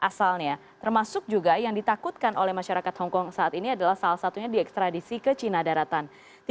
asalnya termasuk juga yang ditakutkan oleh masyarakat hongkong saat ini adalah salah satunya diekstradisi ke cina daratan